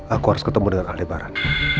aku harus ketemu dengan ahli barat